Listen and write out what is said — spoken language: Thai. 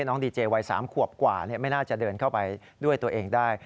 น้องดีเจวัย๓ขวบกว่าไม่น่าจะเดินเข้าไปด้วยตัวเองได้